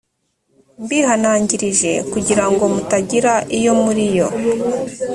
mbihanangirije kugira ngo mutagira iyo muri iyo